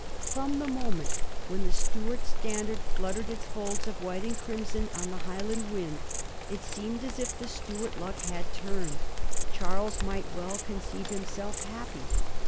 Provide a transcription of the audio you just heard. From the moment when the Stuart standard fluttered its folds of white and crimson on the Highland wind it seemed as if the Stuart luck had turned. Charles might well conceive himself happy.